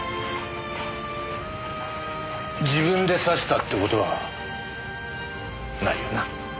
自分で刺したって事はないよな？